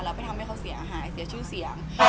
แล้วไปทำให้เขาเสียหายเสียชื่อเสียง